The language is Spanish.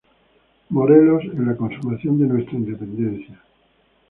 Morelos, en la consumación de nuestra Independencia.